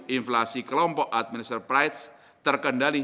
inflasi kelompok administrator price terkendali